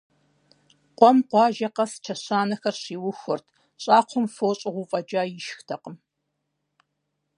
Къуэм къуажэ къэс чэщанэхэр щиухуэрт, щӀакхъуэм фо щӀыгъуу фӀэкӀа ишхыртэкъым.